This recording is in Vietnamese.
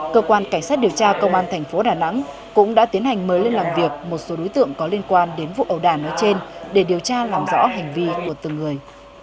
cơ quan cảnh sát điều tra công an thành phố đà nẵng cũng đã tiến hành mời lên làm việc một số đối tượng có liên quan đến vụ ầu đà nói trên để điều tra làm rõ hành vi của từng người